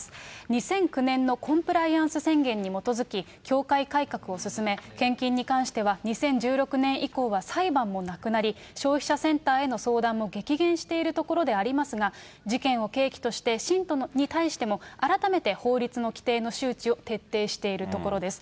２００９年のコンプライアンス宣言に基づき、教会改革を進め、献金に関しては２０１６年以降は裁判もなくなり、消費者センターへの相談も激減しているところでありますが、事件を契機として、信徒に対しても、改めて法律の規定の周知を徹底しているところです。